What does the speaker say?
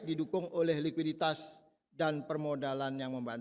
didukung oleh likuiditas dan permukaan